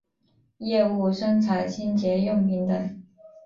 业务生产清洁用品等。